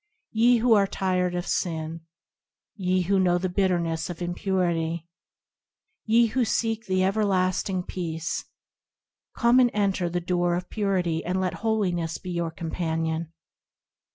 Ye who are tired of sin ; Ye who know the bitterness of impurity; Ye who seek the everlasting peace, Come and enter the door of Purity And let Holiness be your companion.